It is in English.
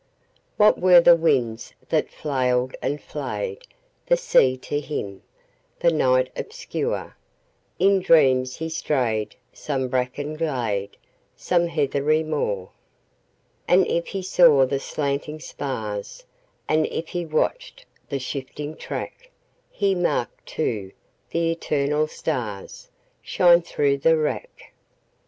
What were the winds that flailed and flayedThe sea to him, the night obscure? In dreams he strayed some brackened glade, Some heathery moor. And if he saw the slanting spars, And if he watched the shifting track, He marked, too, the eternal starsShine through the wrack.